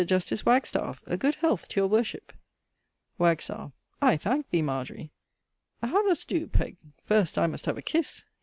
Justice Wagstaffe, a good health to your worship! Wagstaffe. I thanke thee, Margery. How doest doe Peg[CIV.]? First, I must have a kisse.